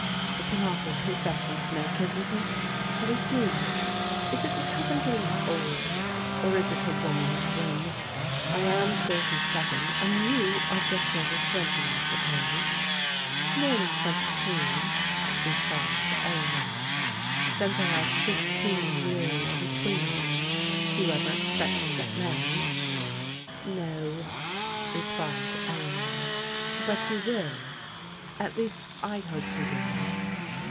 It's an awful confession to make, isn't it? but I do. Is it be cause I'm getting old, or is it a woman's whim? I am thirty seven, and you are just over twenty, I suppose?" " Nearly twenty two," replied Eleanor. "Then there are fifteen years between us. Do you ever expect to get married? "" No," replied Eleanor. *' But you will ; at least, I hope you will."